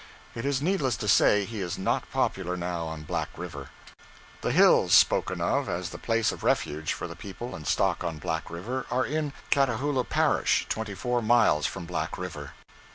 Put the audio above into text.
It is needless to say he is not popular now on Back River. The hills spoken of as the place of refuge for the people and stock on Black River are in Catahoula parish, twenty four miles from Black River.